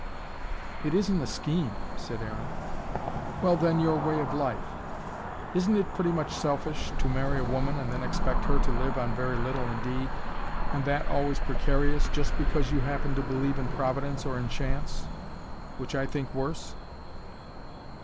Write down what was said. "Is isn't a scheme," said Aaron. "Well then, your way of life. Isn't it pretty selfish, to marry a woman and then expect her to live on very little indeed, and that always precarious, just because you happen to believe in Providence or in Chance: which I think worse?